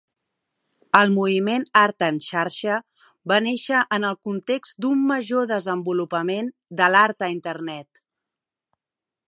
El moviment art en xarxa va néixer en el context d'un major desenvolupament de l'art a internet.